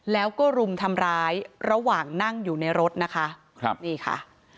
แล้วก็รุมทำร้ายระหว่างนั่งอยู่ในรถนะคะครับนี่ค่ะ